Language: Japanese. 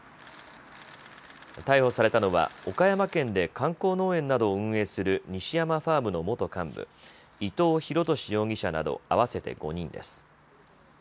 逮捕されたのは岡山県で観光農園などを運営する西山ファームの元幹部、伊藤弘敏容疑者など合わせて５人です。